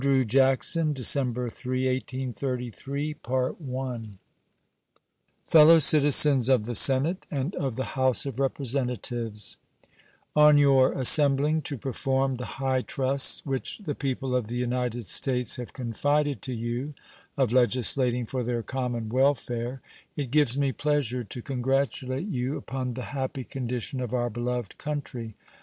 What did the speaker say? State of the Union Address Andrew Jackson December 3, 1833 Fellow Citizens of the Senate and of the House of Representatives: On your assembling to perform the high trusts which the people of the United States have confided to you, of legislating for their common welfare, it gives me pleasure to congratulate you upon the happy condition of our beloved country.